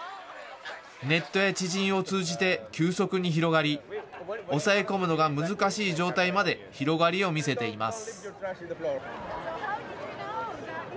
ネットや知人を通じて急速に広がり押さえ込むのが難しい状態まで広がりを見せています。